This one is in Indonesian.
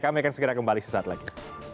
kami akan segera kembali sesaat lagi